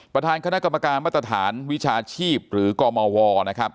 ประธานคณะกรรมการมาตรฐานวิชาชีพหรือกมวนะครับ